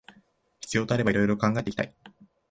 必要とあれば色々と考えていきたい